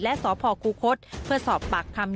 และสพคูคศเพื่อสอบปากคำ